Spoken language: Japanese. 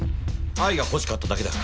愛が欲しかっただけだ。